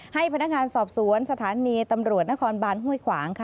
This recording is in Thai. ให้พนักงานสอบสวนสถานีตำรวจนครบานห้วยขวางค่ะ